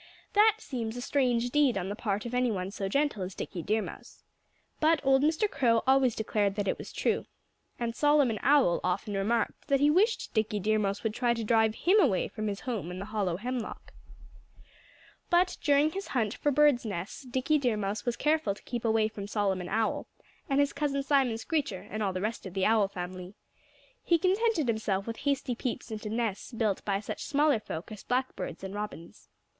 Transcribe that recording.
That seems a strange deed on the part of anyone so gentle as Dickie Deer Mouse. But old Mr. Crow always declared that it was true. And Solomon Owl often remarked that he wished Dickie Deer Mouse would try to drive him away from his home in the hollow hemlock. [Illustration: Dickie scampered through the woods with his friends] But during his hunt for birds' nests Dickie Deer Mouse was careful to keep away from Solomon Owl, and his cousin Simon Screecher, and all the rest of the Owl family. He contented himself with hasty peeps into nests built by such smaller folk as Blackbirds and Robins.